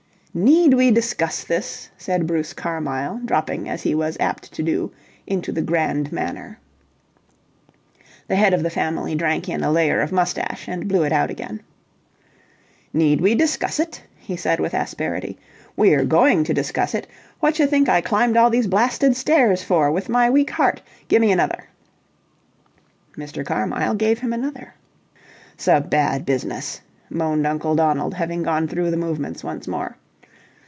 "Need we discuss this?" said Bruce Carmyle, dropping, as he was apt to do, into the grand manner. The Head of the Family drank in a layer of moustache and blew it out again. "Need we discuss it?" he said with asperity. "We're going to discuss it! Whatch think I climbed all these blasted stairs for with my weak heart? Gimme another!" Mr. Carmyle gave him another. "'S a bad business," moaned Uncle Donald, having gone through the movements once more.